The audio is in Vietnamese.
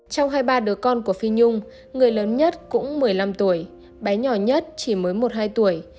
trong hai ba đứa con của phi nhung người lớn nhất cũng một mươi năm tuổi bé nhỏ nhất chỉ mới một hai tuổi